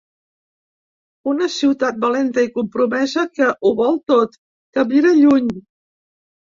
Una ciutat valenta i compromesa que ho vol tot, que mira lluny.